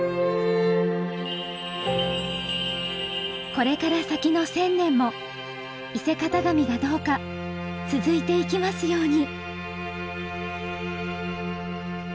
これから先の千年も伊勢型紙がどうか続いていきますように。